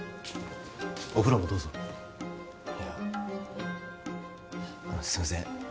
お風呂もどうぞいやあのすいません